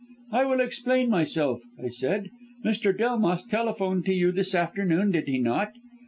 "'I will explain myself,' I said, 'Mr. Delmas telephoned to you this afternoon, did he not?'